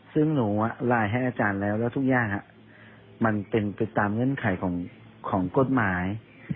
ซึ่งหนูไลน์ให้อาจารย์แล้วแล้วทุกอย่างมันเป็นไปตามเงื่อนไขของกฎหมาย